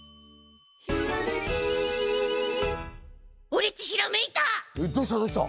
おれっちひらめいた！